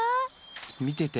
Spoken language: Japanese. みてて。